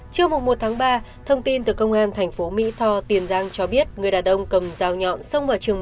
trước mùa một tháng ba thông tin từ công an thành phố mỹ tho tiền giang cho biết người đà đông cầm rào nhọn